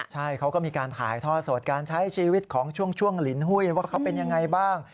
ใช่เขาก็มีการถ่ายท่อสดการใช้ชีวิตของช่วงลินหุ้ยว่าเขาเป็นยังไงบ้าง